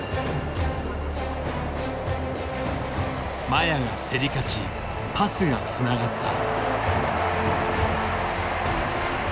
麻也が競り勝ちパスがつながった。